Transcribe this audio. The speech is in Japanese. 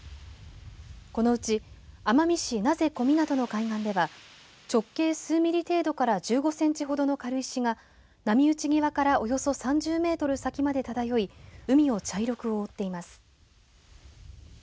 このうち奄美市名瀬小湊の海岸では直径数ミリ程度から１５センチほどの軽石が波打ち際からおよそ３０メートル先まで漂い海を茶色く覆っています。